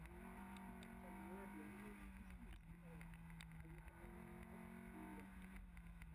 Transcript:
Bi pertsona larri eraman zituzten ospitalera, eta horietako bat gaur zendu da.